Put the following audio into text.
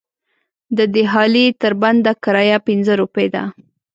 د دهالې تر بنده کرایه پنځه روپۍ ده.